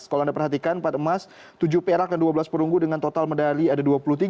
kalau anda perhatikan empat emas tujuh perak dan dua belas perunggu dengan total medali ada dua puluh tiga